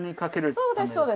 そうですそうです